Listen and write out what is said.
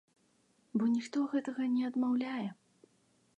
Бо ніхто гэтага не адмаўляе.